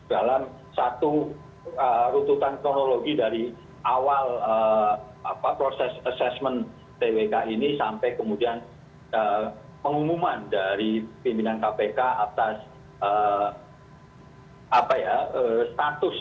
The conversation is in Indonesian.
dalam satu rututan kronologi dari awal proses asesmen twk ini sampai kemudian pengumuman dari pimpinan kpk atas status